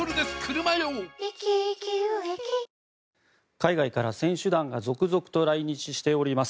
海外から選手団が続々と来日しております。